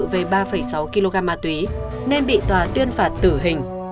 về ba sáu kg ma túy nên bị tòa tuyên phạt tử hình